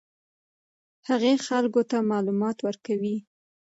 هغې خلکو ته معلومات ورکوي.